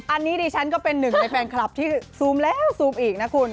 อันนี้ดิฉันก็เป็นหนึ่งในแฟนคลับที่ซูมแล้วซูมอีกนะคุณ